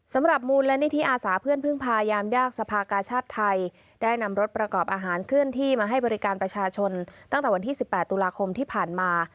สำหรับมูลและนิธิอาสาเพื่อนพึ่งพายามยากสภากาชาติไทยได้นำรถประกอบอาหารเคลื่อนที่มาให้บริการประชาชนตั้งแต่วันที่๑๘ตุลาคมที่ผ่านมา